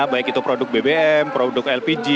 baik itu produk bbm produk lpg